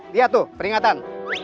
lihat tuh peringatan